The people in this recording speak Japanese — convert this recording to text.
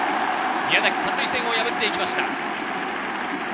宮崎、３塁線を破っていきました。